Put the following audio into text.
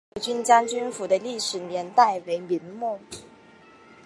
九军将军府的历史年代为明末。